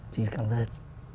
xin cảm ơn